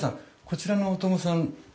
こちらの小友さん